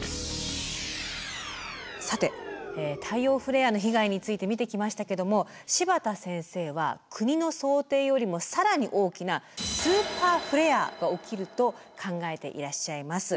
さて太陽フレアの被害について見てきましたけども柴田先生は国の想定よりも更に大きなスーパーフレアが起きると考えていらっしゃいます。